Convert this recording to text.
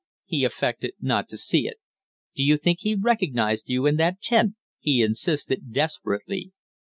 He affected not to see it. "Do you think he recognized you in that tent?" he insisted, desperately.